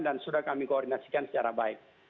dan sudah kami koordinasikan secara baik